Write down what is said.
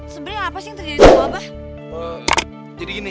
sebenernya apa sih yang terjadi sama abah